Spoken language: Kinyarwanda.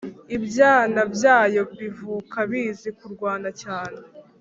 'ibyana byayo bivuka bizi kurya cyane.